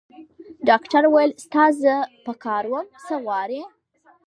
ډاکټر وویل: ستا زه په کار وم؟ څه غواړې؟